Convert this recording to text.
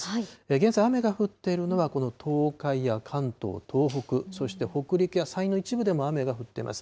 現在、雨が降っているのが、この東海や関東、東北、そして北陸や山陰の一部でも雨が降っています。